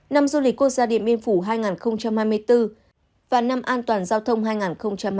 năm du lịch quốc gia điện biên phủ hai nghìn hai mươi bốn và năm an toàn giao thông hai nghìn hai mươi bốn